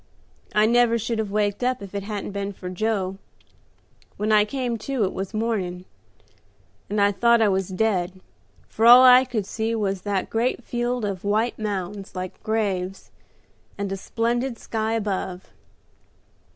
I never should have waked up if it hadn't been for Joe. When I came to, it was morning, and I thought I was dead, for all I could see was that great field of white mounds, like graves, and a splendid sky above.